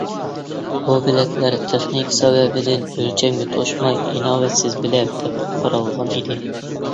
بۇ بېلەتلەر تېخنىكا سەۋەبىدىن ئۆلچەمگە توشماي، ئىناۋەتسىز بېلەت دەپ قارالغان ئىدى.